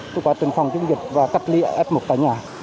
chúng ta tìm phòng chung dịch và cách ly f một tại nhà